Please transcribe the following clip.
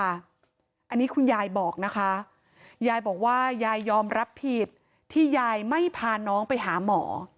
อันนี้คุณยายบอกนะคะยายบอกว่ายายยอมรับผิดที่ยายไม่พาน้องไปหาหมอ